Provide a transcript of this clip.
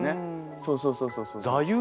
そうそうそうそうそう。